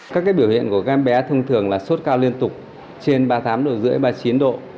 các biểu hiện của em bé thông thường là sốt cao liên tục trên ba mươi tám độ rưỡi ba mươi chín độ